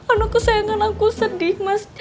aduh kesayangan aku sedih mas